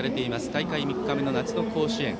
大会３日目の夏の甲子園。